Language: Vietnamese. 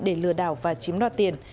để lừa đảo và chiếm đoạt tiền